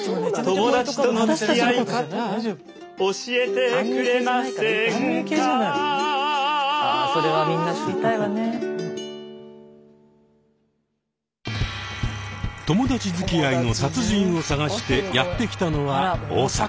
友達づきあいの達人を探してやって来たのは大阪。